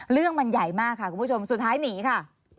เรื่องมันใหญ่มากค่ะคุณผู้ชมสุดท้ายหนีค่ะ